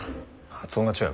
発音が違う。